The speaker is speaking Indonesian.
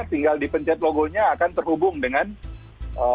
tinggal dipencet logonya akan terhubung dengan website ataupun aplikasi resmi mereka